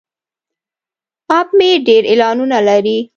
اپ مې ډیر اعلانونه لري.